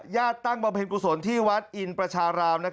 ตั้งบำเพ็ญกุศลที่วัดอินประชาราม